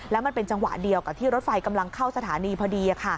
แล้วมันเป็นจังหวะเดียวกับที่รถไฟกำลังเข้าสถานีพอดี